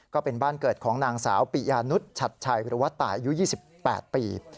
ก็เป็นบ้านเกิดของนางสาวปิยานุษชัดชัยหรือว่าตายอายุ๒๘ปี